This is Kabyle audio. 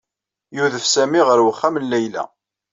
Yudef Sami ɣer uxxam n Layla.